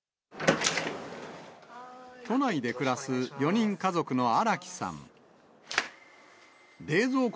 都内で暮らす４人家族の荒木さん。